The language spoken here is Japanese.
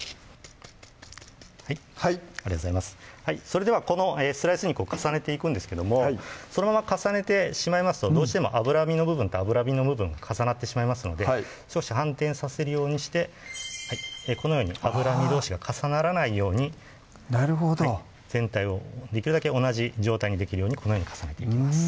それではこのスライス肉を重ねていくんですけどもそのまま重ねてしまいますとどうしても脂身の部分と脂身の部分重なってしまいますので反転させるようにしてこのように脂身どうしが重ならないようになるほど全体をできるだけ同じ状態にできるようにこのように重ねていきます